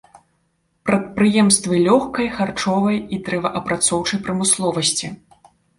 Прадпрыемствы лёгкай, харчовай і дрэваапрацоўчай прамысловасці.